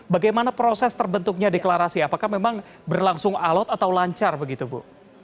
bagaimana proses terbentuknya deklarasi apakah memang berlangsung alot atau lancar begitu bu